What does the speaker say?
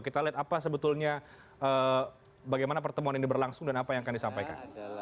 kita lihat apa sebetulnya bagaimana pertemuan ini berlangsung dan apa yang akan disampaikan